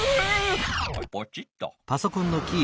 ポチッと。